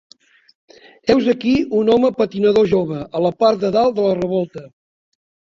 Heus aquí un home patinador jove a la part de dalt de la revolta